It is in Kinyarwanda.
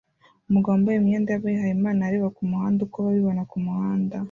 umugabo wambaye imyenda y'abihayimana areba kumuhanda uko abibona kumuhanda